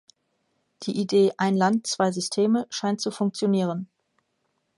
Die Idee "ein Land, zwei Systeme" scheint zu funktionieren.